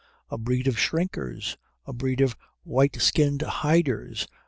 A breed of shrinkers; a breed of white skinned hiders.